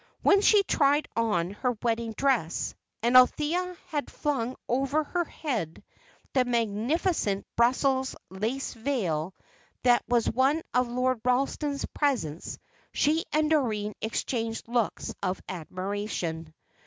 When she tried on her wedding dress, and Althea had flung over her head the magnificent Brussels lace veil that was one of Lord Ralston's presents, she and Doreen exchanged looks of admiration.